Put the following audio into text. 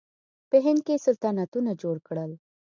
په هند کې یې سلطنتونه جوړ کړل.